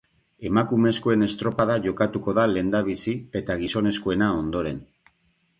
Emakumezkoen estropada jokatuko da lehendabizi eta gizonezkoena ondoren.